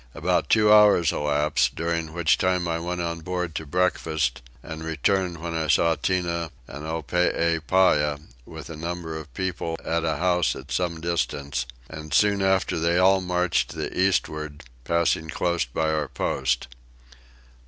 About two hours elapsed, during which time I went on board to breakfast and returned when I saw Tinah and Oreepyah with a number of people at a house at some distance; and soon after they all marched to the eastward, passing close by our post.